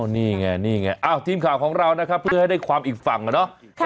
นี่ไงนี่ไงทีมข่าวของเรานะครับเพื่อให้ได้ความอีกฝั่งอะเนาะ